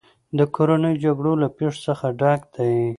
د کورنیو جګړو له پېښو څخه ډک دی.